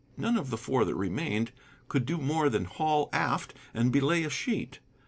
None of the four that remained could do more than haul aft and belay a sheet.